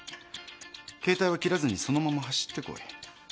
携帯は切らずにそのまま走ってこい。